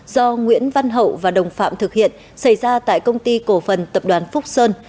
do nguyễn văn hậu và đồng phạm thực hiện xảy ra tại công ty cổ phần tập đoàn phúc sơn